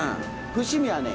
伏見はね